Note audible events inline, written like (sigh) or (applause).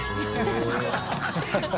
ハハハ (laughs)